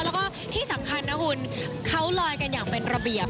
แล้วก็ที่สำคัญนะคุณเขาลอยกันอย่างเป็นระเบียบ